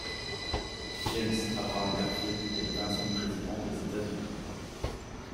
James Abram Garfield est le vingtième président des États-Unis.